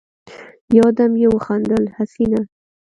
يودم يې وخندل: حسينه!